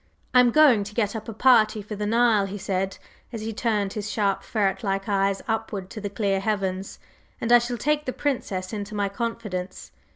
"I am going to get up a party for the Nile," he said as he turned his sharp, ferret like eyes upwards to the clear heavens; "and I shall take the Princess into my confidence.